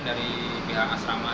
dari pihak asrama